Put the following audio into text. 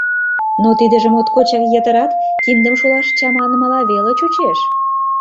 Но тидыже моткочак йытырат, киндым шулаш чаманымыла веле чучеш.